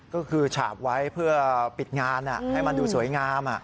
ก็คือฉาบไว้เพื่อปิดงานให้มันดูสวยงาม